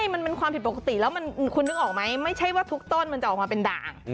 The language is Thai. มันเป็นความผิดปกติแล้วคุณนึกออกไหมไม่ใช่ว่าทุกต้นมันจะออกมาเป็นด่าง